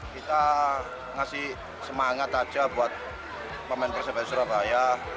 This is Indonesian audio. kita ngasih semangat aja buat pemain persebaya surabaya